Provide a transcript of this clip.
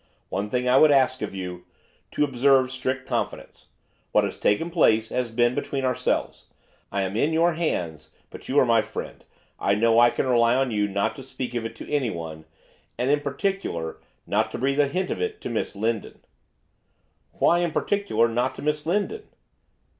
One thing I would ask of you, to observe strict confidence. What has taken place has been between ourselves. I am in your hands, but you are my friend, I know I can rely on you not to speak of it to anyone, and, in particular, not to breathe a hint of it to Miss Lindon.' 'Why, in particular, not to Miss Lindon?